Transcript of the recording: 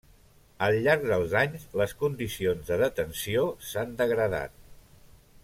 Al llarg dels anys, les condicions de detenció s'han degradat.